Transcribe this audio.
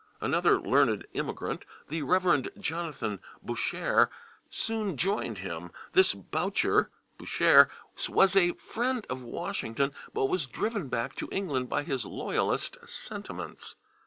Another learned immigrant, the Rev. Jonathan Boucher, soon joined him. This Boucher was a friend of Washington, but was driven back to England by his Loyalist sentiments.